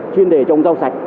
chuyên đề cho ông rau sạch